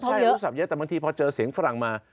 ใช่โทรศัพท์เยอะแต่บางทีพอเจอเสียงฝรั่งมา